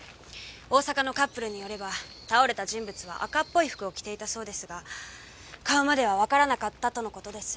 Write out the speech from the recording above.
大阪のカップルによれば倒れた人物は赤っぽい服を着ていたそうですが顔まではわからなかったとの事です。